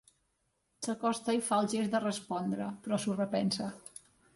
S'acosta i fa el gest de respondre, però s'ho repensa.